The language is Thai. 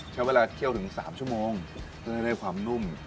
ใช้เวลาเคี่ยวถึง๓ชั่วโมงเพื่อจะได้ความนุ่ม